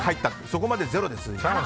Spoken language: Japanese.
そこまで０です。